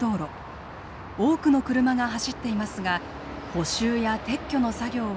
多くの車が走っていますが補修や撤去の作業は行われていません。